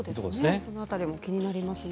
その辺りも気になりますね。